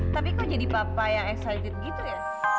tapi kok jadi papa yang excited gitu ya